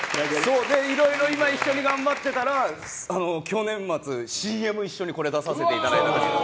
いろいろ今一緒に頑張っていたら去年末、ＣＭ一緒に出させていただいたんですよ。